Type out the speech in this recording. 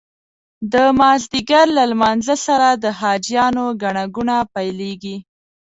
د مازدیګر له لمانځه سره د حاجیانو ګڼه ګوڼه پیلېږي.